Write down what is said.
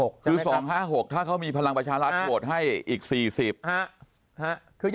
คือ๒๕๖ถ้าเขามีพลังประชารัฐโหวตให้อีก๔๐